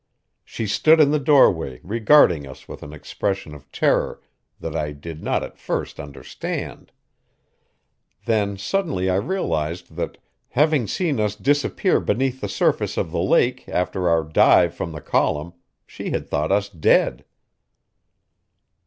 She stood in the doorway, regarding us with an expression of terror that I did not at first understand; then suddenly I realized that, having seen us disappear beneath the surface of the take after our dive from the column, she had thought us dead.